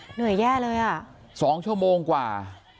เหนื่อยแย่เลยอ่ะ๒ชั่วโมงกว่า